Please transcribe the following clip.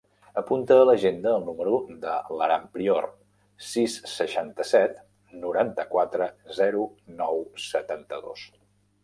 Apunta a l'agenda el número de l'Aram Prior: sis, seixanta-set, noranta-quatre, zero, nou, setanta-dos.